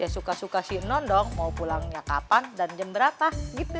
suka suka sih nondok mau pulangnya kapan dan jember atas gitu